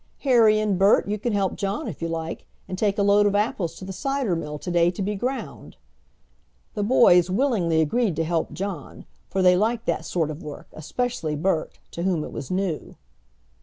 Harry and Bert, you can help John if you like, and take a load of apples to the cider mill to day to be ground." The boys willingly agreed to help John, for they liked that sort of work, especially Bert, to whom it was new.